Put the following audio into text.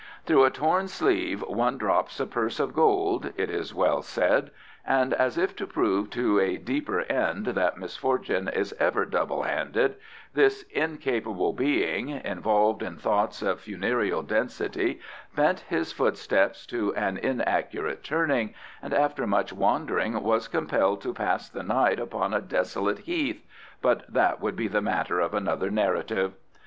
"Through a torn sleeve one drops a purse of gold," it is well said; and as if to prove to a deeper end that misfortune is ever double handed, this incapable being, involved in thoughts of funereal density, bent his footsteps to an inaccurate turning, and after much wandering was compelled to pass the night upon a desolate heath but that would be the matter of another narrative.